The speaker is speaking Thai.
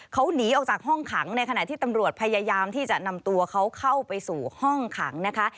เขาหนีออกจากห้องขังในขณะที่ตำรวจพยายามที่จะนำตัวเขาเข้าไปสู่ห้องขังนะคะ